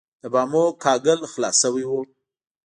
د بامونو کاهګل خلاص شوی و.